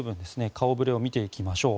顔触れを見ていきましょう。